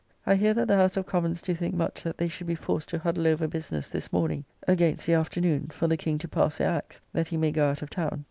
I hear that the House of Commons do think much that they should be forced to huddle over business this morning against the afternoon, for the King to pass their Acts, that he may go out of town.